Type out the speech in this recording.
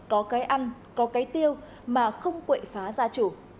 có cây ăn có cây tiêu mà không quậy phá gia chủ